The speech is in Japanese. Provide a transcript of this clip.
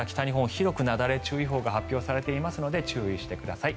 広く、なだれ注意報が発表されていますので注意してください。